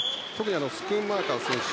スクンマーカー選手